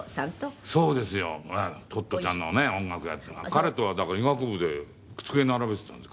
彼とはだから医学部で机並べてたんです。